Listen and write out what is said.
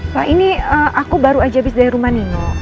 pak ini aku baru aja habis dari rumah nino